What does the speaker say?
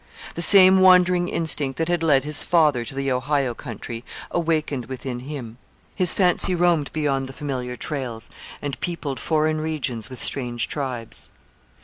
The same wandering instinct that had led his father to the Ohio country awakened within him. His fancy roamed beyond the familiar trails and peopled foreign regions with strange tribes.